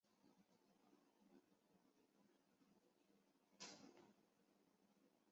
他的意识和意愿在同年龄层的球员中算是成熟的。